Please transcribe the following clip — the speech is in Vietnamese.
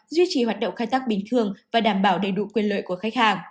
duy trì hoạt động khai thác bình thường và đảm bảo đầy đủ quyền lợi của khách hàng